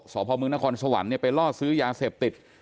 สพมนครสวรรค์เนี่ยไปล่อซื้อยาเสพติด